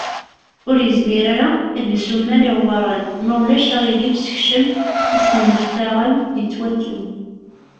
Ur yezmir ara ad d-isumer iɣewwaṛen, ma ulac aɣilif sekcem isenneftaɣen yettwattun.